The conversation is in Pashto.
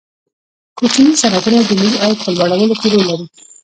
کوچني صنعتونه د ملي عاید په لوړولو کې رول لري.